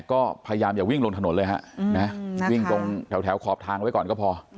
ก็พยายามอย่าวิ่งลงถนนเลยฮะวิ่งตรงแถวขอบทางไว้ก่อนก็พอ